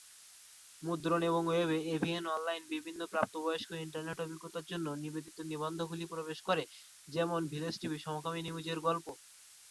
মুদ্রণ এবং ওয়েবে, এভিএন অনলাইন বিভিন্ন প্রাপ্তবয়স্ক ইন্টারনেট অভিজ্ঞতার জন্য নিবেদিত নিবন্ধগুলি প্রকাশ করে, যেমন ভিলেজ টিভি "সমকামী নিউজের" গল্প।